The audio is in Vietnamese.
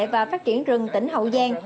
và phát triển rừng tỉnh hậu giang